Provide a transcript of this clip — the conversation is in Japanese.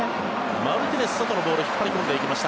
マルティネス外のボール引っ張り込んでいきました。